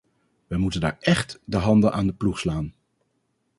Wij moeten daar echt de handen aan de ploeg slaan.